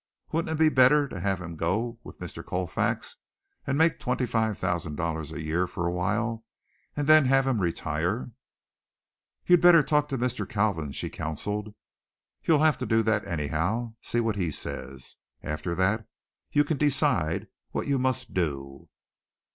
Wouldn't it be better to have him go with Mr. Colfax and make $25,000 a year for a while and then have him retire? "You'd better talk to Mr. Kalvin," she counseled. "You'll have to do that, anyhow. See what he says. After that you can decide what you must do."